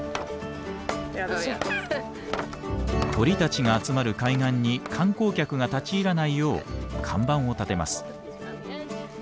鳥たちが集まる海岸に観光客が立ち入らないよう看板を立てます。